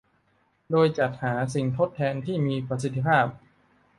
โดยจัดหาสิ่งทดแทนที่มีประสิทธิภาพ